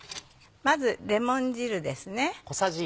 まずレモン汁ですね。